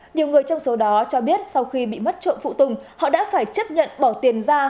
nhiều người trong số đó cho biết sau khi bị mất trộm phụ tùng họ đã phải chấp nhận bỏ tiền ra